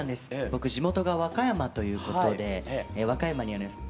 僕地元が和歌山ということで和歌山にあります